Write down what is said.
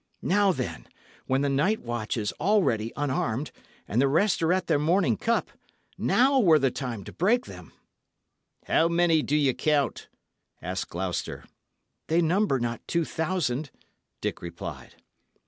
Now, then, when the night watch is already unarmed, and the rest are at their morning cup now were the time to break them." "How many do ye count?" asked Gloucester. "They number not two thousand," Dick replied.